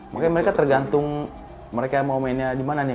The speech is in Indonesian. maka mereka tergantung mereka mau mainnya dimana nih